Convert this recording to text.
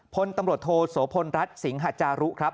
พลตำรวจโทโสพลรัฐสิงหาจารุครับ